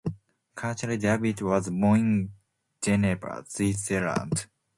Charles Doudiet was born in Geneva, Switzerland.